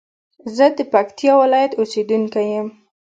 زه د پکتيا ولايت اوسېدونکى يم.